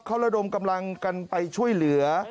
เขาระดมกำลังกันไปช่วยเหลือ